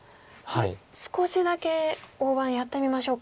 少しだけ大盤やってみましょうか。